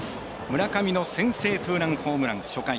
村上の先制ツーランホームラン初回。